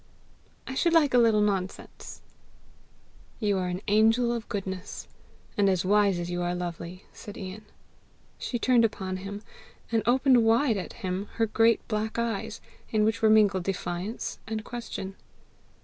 "I should like a little nonsense." "You are an angel of goodness, and as wise as you are lovely!" said Ian. She turned upon him, and opened wide at him her great black eyes, in which were mingled defiance and question.